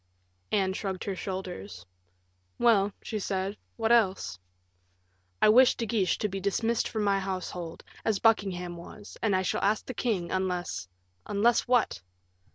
Anne shrugged her shoulders. "Well," she said, "what else?" "I wish De Guiche to be dismissed from my household, as Buckingham was, and I shall ask the king, unless " "Unless what?"